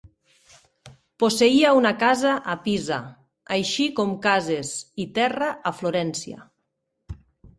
Posseïa una casa a Pisa, així com cases i terra a Florència.